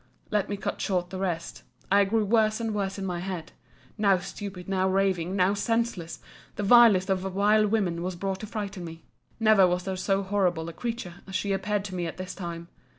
Let me cut short the rest. I grew worse and worse in my head! now stupid, now raving, now senseless. The vilest of vile women was brought to frighten me. Never was there so horrible a creature as she appeared to me at this time.